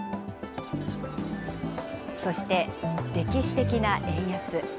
そして、歴史的な円安。